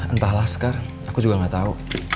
entahlah sekar aku juga gak tahu